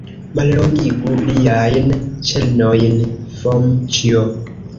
Mallongigu liajn ĉenojn, Fomĉjo!